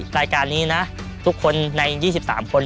รายการนี้นะทุกคนใน๒๓คน